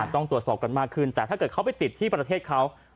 ต้องตรวจสอบกันมากขึ้นแต่ถ้าเกิดเขาไปติดที่ประเทศเขา